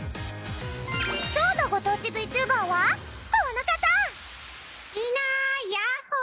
今日のご当地ＶＴｕｂｅｒはこの方！